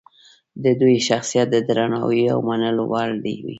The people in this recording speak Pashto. د دوی شخصیت د درناوي او منلو وړ وي.